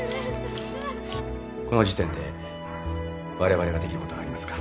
この時点でわれわれができることはありますか？